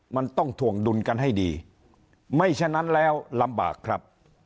มันต้องถ่วงดุลกันให้ดีไม่ฉะนั้นแล้วลำบากครับ